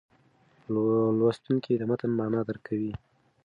لوستونکی د متن معنا درک کوي.